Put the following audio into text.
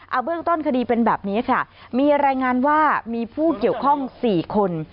เอาเบื้องต้นคดีเป็นแบบนี้ค่ะมีรายงานว่ามีผู้เกี่ยวข้อง๔คน